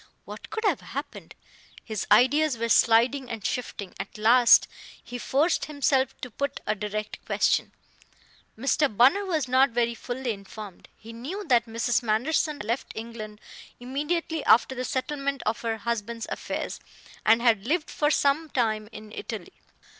What could have happened? His ideas were sliding and shifting. At last he forced himself to put a direct question. Mr. Bunner was not very fully informed. He knew that Mrs. Manderson had left England immediately after the settlement of her husband's affairs, and had lived for some time in Italy.